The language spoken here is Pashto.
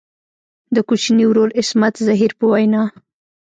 د کوچني ورور عصمت زهیر په وینا.